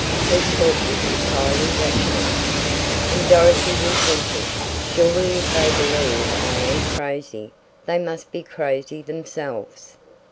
Her talk was entirely rational. And Dorothy was thinking: "Surely if they believe I am crazy they must be crazy themselves!